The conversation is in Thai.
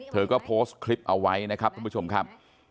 เธอก็โพสต์คลิปเอาไว้นะครับท่านผู้ชมครับ